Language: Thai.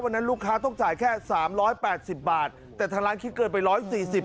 ลูกค้าต้องจ่ายแค่สามร้อยแปดสิบบาทแต่ทางร้านคิดเกินไปร้อยสี่สิบ